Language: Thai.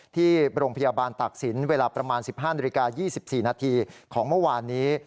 ที่โรงพยาบาลตากศิลป์เวลาประมาณ๑๕นาฬิกา๒๔นาทีของเมื่อวานนี้